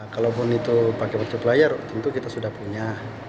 kalaupun itu pakai multiplier tentu kita sudah punya